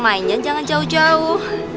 mainnya jangan jauh jauh